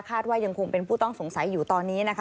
ว่ายังคงเป็นผู้ต้องสงสัยอยู่ตอนนี้นะคะ